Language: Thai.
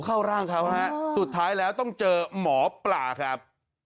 เข้าร่างเขาฮะสุดท้ายแล้วต้องเจอหมอปลาครับ